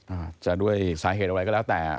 อาจจะด้วยสาเหตุอะไรก็แล้วแต่